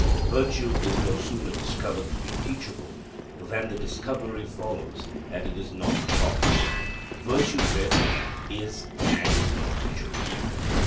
Virtue is no sooner discovered to be teachable, than the discovery follows that it is not taught. Virtue, therefore, is and is not teachable.